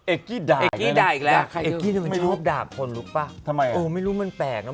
เอกกี้ด่ายแล้วนะ